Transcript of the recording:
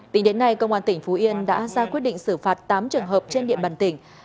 tính đến nay công an tỉnh phú yên đã ra quyết định xử phạt tám trường hợp trên địa bàn tỉnh